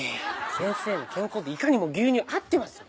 先生の健康といかにも牛乳合ってますよ。